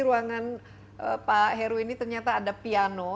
ruangan pak heru ini ternyata ada piano